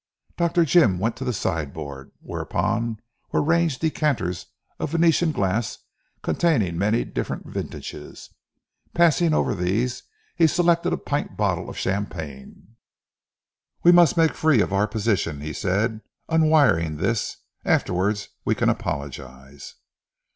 Dr. Jim went to the sideboard, whereon were ranged decanters of Venetian glass containing many different vintages. Passing over these he selected a pint bottle of champagne. "We must make free of our position," he said, unwiring this, "afterwards we can apologise."